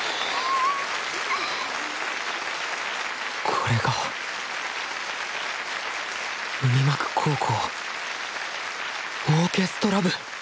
これが海幕高校オーケストラ部！